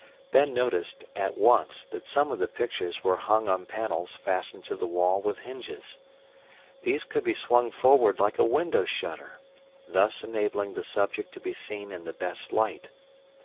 Ben noticed, at once, that some of the pictures were hung on panels fastened to the wall with hinges. These could be swung forward like a window shutter, thus enabling the subject to be seen in the best light.